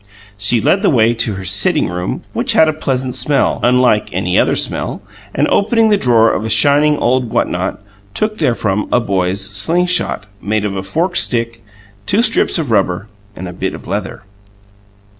She led the way to her "sitting room," which had a pleasant smell, unlike any other smell, and, opening the drawer of a shining old what not, took therefrom a boy's "sling shot," made of a forked stick, two strips of rubber and a bit of leather.